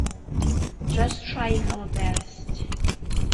Just trying our best.